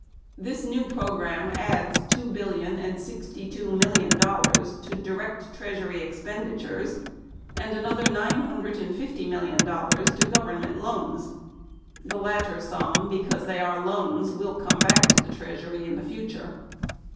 This new program adds two billion and sixty two million dollars to direct treasury expenditures and another nine hundred and fifty million dollars to government loans the latter sum, because they are loans, will come back to the treasury in the future.